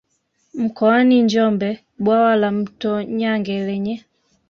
mkoani Njombe Bwawa la Mto Nyange lenye